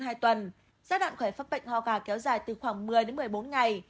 giai đoạn khởi phát bệnh hò gà kéo dài từ khoảng một mươi một mươi bốn ngày